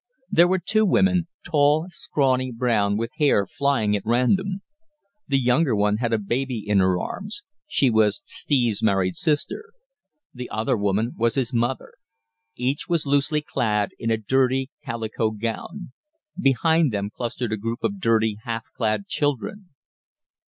There were two women, tall, scrawny, brown, with hair flying at random. The younger one had a baby in her arms. She was Steve's married sister. The other woman was his mother. Each was loosely clad in a dirty calico gown. Behind them clustered a group of dirty, half clad children.